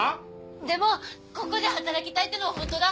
でもここで働きたいっていうのはほんとだ。